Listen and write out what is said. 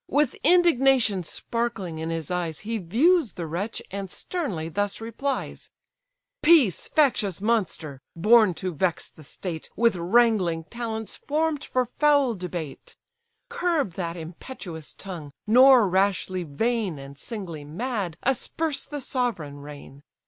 With indignation sparkling in his eyes, He views the wretch, and sternly thus replies: "Peace, factious monster, born to vex the state, With wrangling talents form'd for foul debate: Curb that impetuous tongue, nor rashly vain, And singly mad, asperse the sovereign reign.